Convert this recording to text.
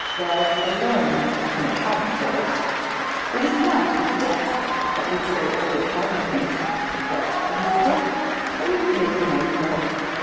Love alone can account for it. It is not his debts that would so overpower him. What are his debts? I would pay them myself.